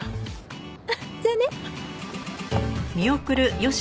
じゃあね。